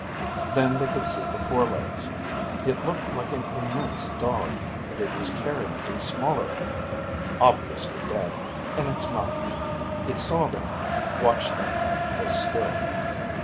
Then they could see the forelegs. It looked like an immense dog, and it was carrying a smaller animal, obviously dead, in its mouth. It saw them, watched them, was still.